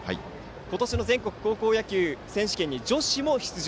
今年の全国高校野球選手権に女子も出場。